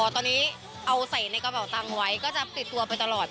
ตอนนี้เอาใส่ในกระเป๋าตังค์ไว้ก็จะติดตัวไปตลอด